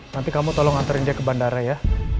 nanti kamu tolong antarin dia ke bandara ya